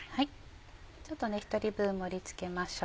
ちょっと１人分盛り付けましょう。